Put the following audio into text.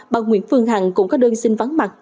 bà nguyễn phương hằng cũng có đơn xin vắng mặt